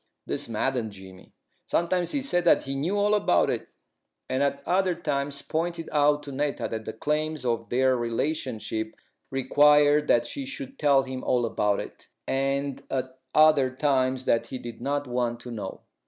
This maddened Jimmy. Sometimes he said that he knew all about it, and at other times pointed out to Netta that the claims of their relationship required that she should tell him all about it, and at other times that he did not want to know.